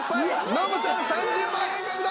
ノブさん３０万円獲得！